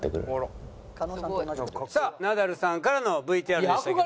さあナダルさんからのＶＴＲでしたけれども。